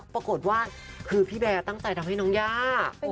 ปรากฏว่าคือพี่แบร์ตั้งใจทำให้น้องย่า